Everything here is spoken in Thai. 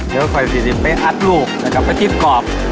เดี๋ยวค่อยไปอัดลูกและกลับไปจิ๊บกรอบ